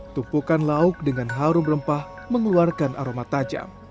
tumpukan lauk dengan harum rempah mengeluarkan aroma tajam